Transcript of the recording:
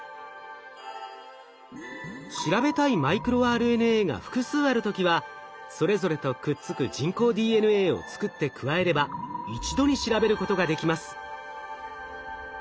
調べたいマイクロＲＮＡが複数ある時はそれぞれとくっつく人工ＤＮＡを作って加えれば一度に調べることができます。